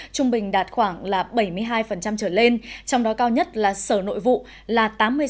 trung bình đạt khoảng bảy mươi hai trở lên trong đó cao nhất là sở nội vụ là tám mươi sáu chín mươi ba